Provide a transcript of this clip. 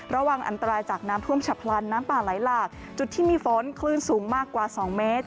ระวังอันตรายจากน้ำท่วมฉับพลันน้ำป่าไหลหลากจุดที่มีฝนคลื่นสูงมากกว่า๒เมตร